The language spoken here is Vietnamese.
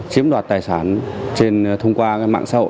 chiếm đoạt tài sản trên thông qua mạng xã hội